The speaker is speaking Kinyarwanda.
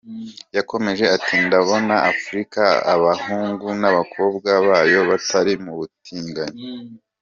Yakomeje ati “Ndabona Afurika abahungu n’abakobwa bayo batari mu butinganyi.